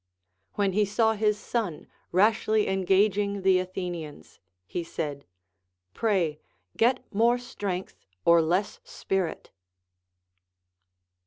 When he saw his son rashly engaging the Athenians, he said, Pray get more strength or less spirit.